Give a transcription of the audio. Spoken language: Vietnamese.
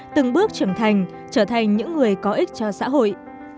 từng bước trưởng thành trở thành những người có ích cho xã hội